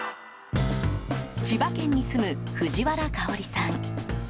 千葉県に住む藤原香織さん。